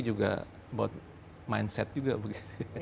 menurut mindset juga begitu ya